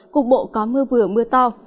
cục bộ có mưa vừa mưa to